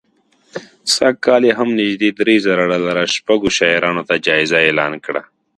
سږ کال یې هم نژدې درې زره ډالره شپږو شاعرانو ته جایزه اعلان کړه